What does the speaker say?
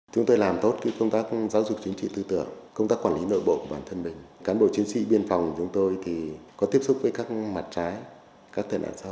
chúng tôi làm tốt công tác giáo dục chính trị tư tưởng công tác quản lý nội bộ của bản thân mình cán bộ chiến sĩ biên phòng của chúng tôi thì có tiếp xúc với các mặt trái các tên ạn xã hội